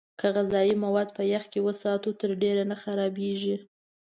که غذايي مواد په يخ کې وساتو، تر ډېره نه خرابېږي.